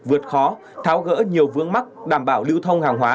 vượt khó tháo gỡ nhiều vương mắc đảm bảo lưu thông hàng hóa